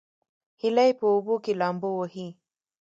هیلۍ په اوبو کې لامبو وهي